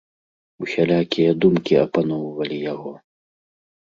Усялякія думкі апаноўвалі яго.